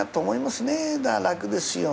楽ですよ。